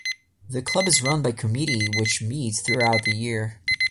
The club is run by committee which meets throughout the year.